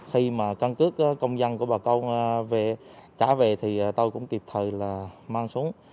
khi mà căn cứ công dân của bà câu trả về thì tôi cũng kịp thời là mang xuống